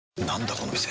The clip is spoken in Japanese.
この店。